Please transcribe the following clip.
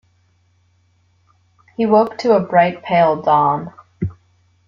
He woke to a bright, pale dawn.